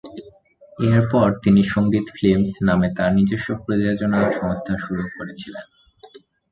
এরপর তিনি সংগীত ফিল্মস নামে তাঁর নিজস্ব প্রযোজনা সংস্থা শুরু করেছিলেন।